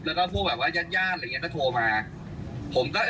แล้วก็พวกแบบว่ายาดอะไรอย่างเงี้ยถ้าโทรมาผมก็เอ้ย